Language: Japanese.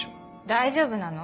大丈夫なの？